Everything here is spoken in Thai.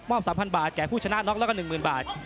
๓๐๐บาทแก่ผู้ชนะน็อกแล้วก็๑๐๐๐บาท